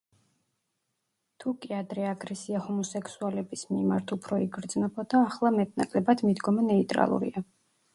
თუკი ადრე აგრესია ჰომოსექსუალების მიმართ უფრო იგრძნობოდა, ახლა მეტ-ნაკლებად მიდგომა ნეიტრალურია.